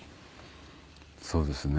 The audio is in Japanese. そうですね。